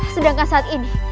sedangkan saat ini